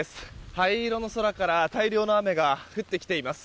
灰色の空から大量の雨が降ってきています。